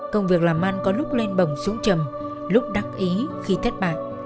công việc làm ăn có lúc lên bổng xuống trầm lúc đắc ý khi thất bại